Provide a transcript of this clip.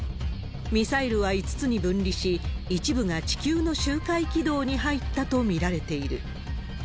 ミサイルは５つに分離し、一部が地球の周回軌道に入ったと見られている。